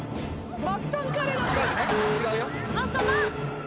違うよね？